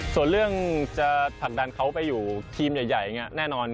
ส่วนเรื่องจะผลักดันเขาไปอยู่ทีมใหญ่อย่างนี้แน่นอน